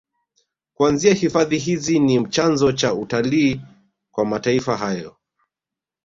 Kwanza hifadhi hizi ni chanzo cha utalii kwa mataifa hayo